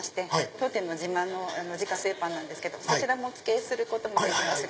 当店の自慢の自家製パンなんですけどお付けすることもできますが。